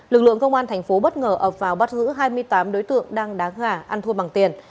lực lượng công an thành phố bất ngờ ập vào bắt giữ hai mươi tám đối tượng đang đá gà ăn thua bằng tiền